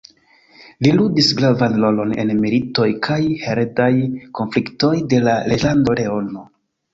Li ludis gravan rolon en la militoj kaj heredaj konfliktoj de la Reĝlando Leono.